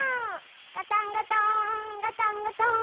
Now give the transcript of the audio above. ガタンゴトーンガタンゴトーン。